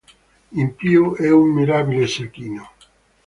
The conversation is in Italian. In più, è un mirabile cecchino.